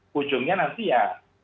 pada akhirnya nanti ya